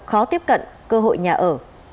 khó tiếp cận cơ hội nhà ở